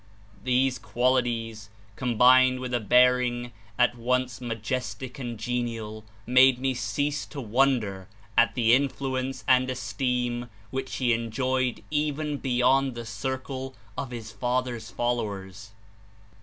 These qualities, combined with a bearing at once majestic and genial, made me cease to wonder at the Influence and esteem which he enjoyed even beyond the circle of his father's followers.